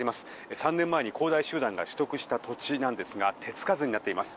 ３年前に恒大集団が取得した土地なんですが手付かずになっています。